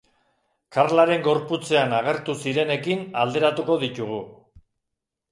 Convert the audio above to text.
Carlaren gorputzean agertu zirenekin alderatuko ditugu.